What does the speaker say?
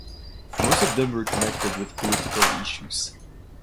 Most of them were connected with political issues.